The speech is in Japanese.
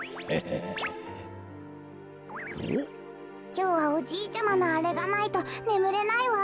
きょうはおじいちゃまのあれがないとねむれないわ。